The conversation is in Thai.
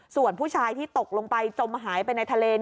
ส่วนผู้ชายที่ตกลงไปจมหายไปในทะเล